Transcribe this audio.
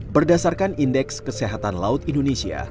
berdasarkan indeks kesehatan laut indonesia